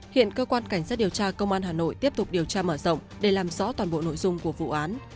hiện cơ quan cảnh sát điều tra công an hà nội tiếp tục điều tra mở rộng để làm rõ toàn bộ nội dung của vụ án